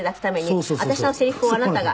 私のセリフをあなたが。